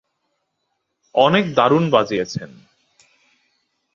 অনেক দারুণ বাজিয়েছেন।